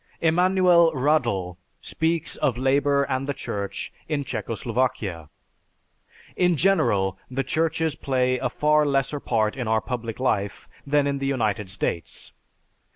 Emanuel Radl speaks of labor and the Church in Czechoslovakia. "In general the churches play a far lesser part in our public life than in the United States.